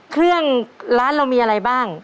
เครื่องร้านเรามีอะไรบ้าง